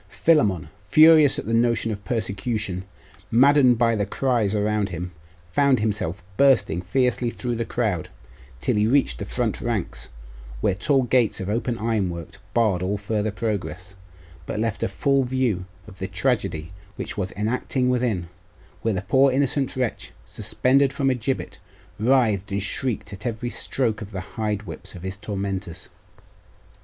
Philammon, furious at the notion of persecution, maddened by the cries around him, found himself bursting fiercely through the crowd, till he reached the front ranks, where tall gates of open ironwork barred all farther progress, but left a full view of the tragedy which was enacting within, where the poor innocent wretch, suspended from a gibbet, writhed and shrieked at every stroke of the hide whips of his tormentors.